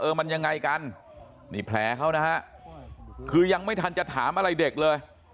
มันยังไงกันนี่แผลเขานะฮะคือยังไม่ทันจะถามอะไรเด็กเลย